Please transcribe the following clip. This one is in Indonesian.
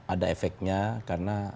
ada efeknya karena